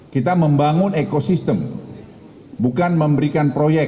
kita membangun ekosistem bukan memberikan proyek